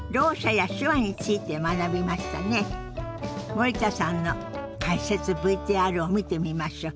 森田さんの解説ＶＴＲを見てみましょう。